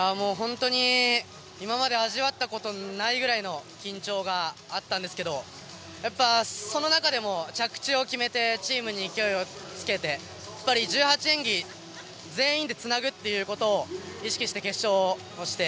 本当に今まで味わったことないぐらいの緊張があったんですけどその中でも着地を決めてチームに勢いをつけて１８演技、全員でつなぐっていうことを意識して決勝をして。